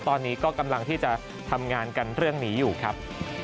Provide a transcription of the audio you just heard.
ตอนนี้ก็กำลังที่จะทำงานกันเรื่องนี้อยู่ครับ